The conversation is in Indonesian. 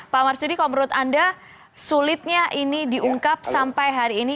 pak marsudi kalau menurut anda sulitnya ini diungkap sampai hari ini